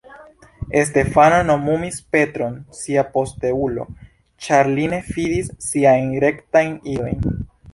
Stefano nomumis Petron sia posteulo, ĉar li ne fidis siajn rektajn idojn.